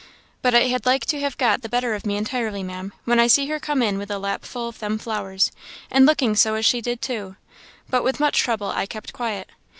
But it had like to have got the better of me entirely, Ma'am, when I see her come in with a lapful of them flowers, and looking so as she did too! but with much trouble I kept quiet.